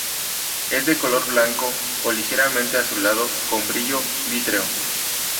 Es de color blanco o ligeramente azulado, con brillo vítreo.